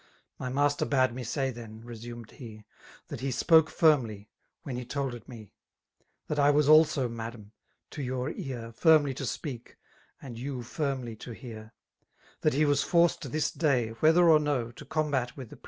'' My master bade me say then," resumed he, '^ That he spoke firmly, when he told it me, —" That I was also^ madam> to your ear f* Firmly to speak, and you firmly to hear, —'^ That he was forced this day, whether or no^ '* To combat with the.